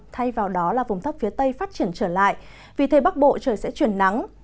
thay vào đó là vùng thấp phía tây phát triển trở lại vì thế bắc bộ trời sẽ chuyển nắng